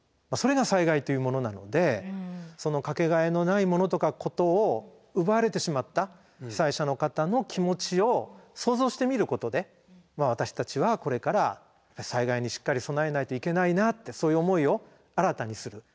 それが災害っていうものなのでそのかけがえのないものとかことを奪われてしまった被災者の方の気持ちを想像してみることで私たちはこれから災害にしっかり備えないといけないなってそういう思いを新たにする。